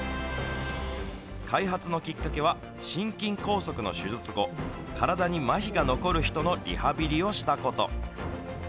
開発のきっかけは、心筋梗塞の手術後、体にまひが残る人のリハビリをしたこと。